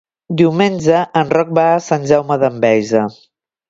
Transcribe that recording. Diumenge en Roc va a Sant Jaume d'Enveja.